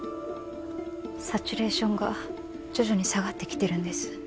サチュレーションが徐々に下がってきてるんです